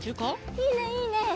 いいねいいね。